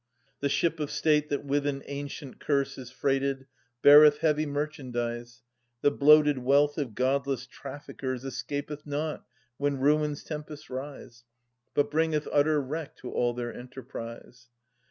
4) The ship of state that with an ancient curse Is freighted, beareth heavy merchandise : The bloated wealth of godless traffickers Escapeth not when ruin's tempests rise, But bringeth utter wreck to all their enterprise.